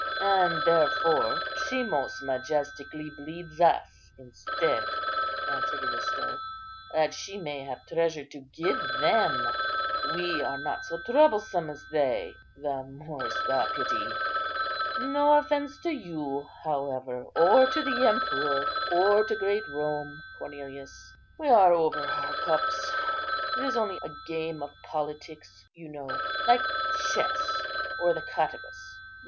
"And therefore she most majestically bleeds us instead," answered Aristo, "that she may have treasure to give them. We are not so troublesome as they; the more's the pity. No offence to you, however, or to the emperor, or to great Rome, Cornelius. We are over our cups; it's only a game of politics, you know, like chess or the cottabus.